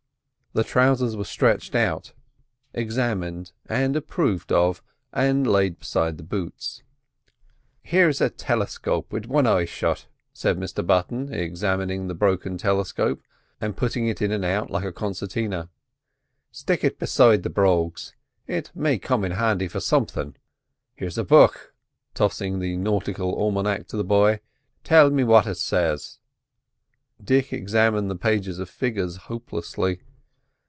The trousers were stretched out, examined and approved of, and laid beside the boots. "Here's a tiliscope wid wan eye shut," said Mr Button, examining the broken telescope and pulling it in and out like a concertina. "Stick it beside the brogues; it may come in handy for somethin'. Here's a book"—tossing the nautical almanac to the boy. "Tell me what it says." Dick examined the pages of figures hopelessly.